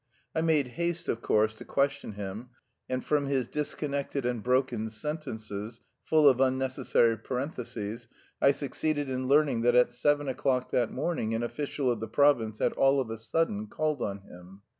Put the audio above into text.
I made haste, of course, to question him, and from his disconnected and broken sentences, full of unnecessary parentheses, I succeeded in learning that at seven o'clock that morning an official of the province had 'all of a sudden' called on him.